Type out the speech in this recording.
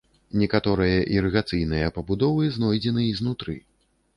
Некаторыя ірыгацыйныя пабудовы знойдзены і знутры.